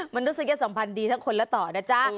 นุษยสัมพันธ์ดีทั้งคนและต่อนะจ๊ะ